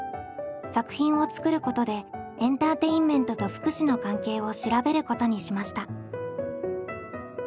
作品を作ることでエンターテインメントと福祉の関係を調べることにしました。